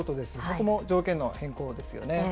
この条件の変更ですよね。